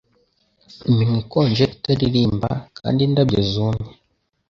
Iminwa ikonje itaririmba, kandi indabyo zumye,